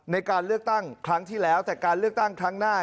ในการเลือกตั้งครั้งที่แล้วแต่การเลือกตั้งครั้งหน้า